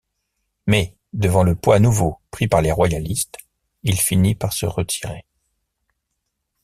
Mais, devant le poids nouveau pris par les royalistes, il finit par se retirer.